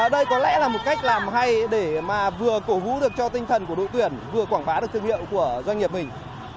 đây có lẽ là một cách làm hay để mà vừa cổ vũ được cho tinh thần của đội tuyển vừa quảng bá được thương hiệu của doanh nghiệp mình